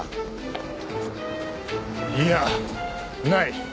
いやない。